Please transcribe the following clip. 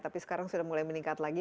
tapi sekarang sudah mulai meningkat lagi